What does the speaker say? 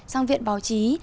sang viện báo chí